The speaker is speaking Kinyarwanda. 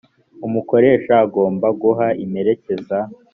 umukoresha agomba guha impererekeza